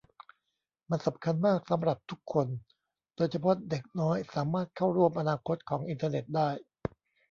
มันสำคัญมากสำหรับทุกคนโดยเฉพาะเด็กน้อยสามารถเข้าร่วมอนาคตของอินเทอร์เน็ตได้